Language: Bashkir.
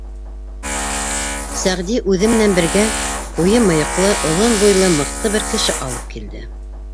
Сәғди үҙе менән бергә ҡуйы мыйыҡлы, оҙон буйлы мыҡты бер кеше алып килде.